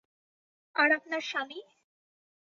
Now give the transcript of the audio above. আর আপনার স্বামী?